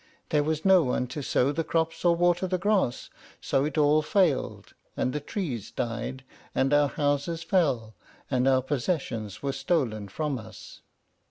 There was no one to sow the crops, or water the grass, so it all failed, and the trees died, and our houses fell, and our possessions were stolen from us."